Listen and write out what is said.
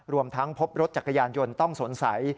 รวมทั้งพบรถจักรยานยนต์ต้องสงสัย